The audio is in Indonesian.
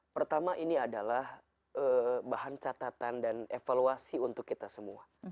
pertama ini adalah bahan catatan dan evaluasi untuk kita semua